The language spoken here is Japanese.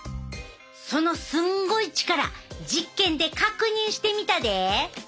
そのすんごい力実験で確認してみたで！